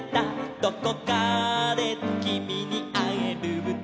「どこかできみにあえるって」